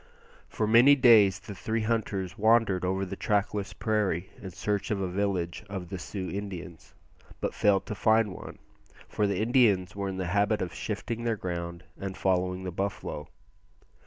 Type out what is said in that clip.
For many days the three hunters wandered over the trackless prairie in search of a village of the Sioux Indians, but failed to find one, for the Indians were in the habit of shifting their ground and following the buffalo.